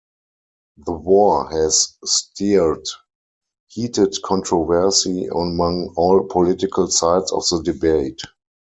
The war has stirred heated controversy among all political sides of the debate.